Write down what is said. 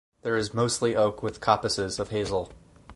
There is mostly oak with coppices of hazel.